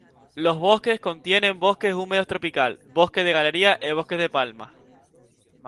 Los bosques contiene bosque húmedo tropical, bosque de galería e bosques de palmas.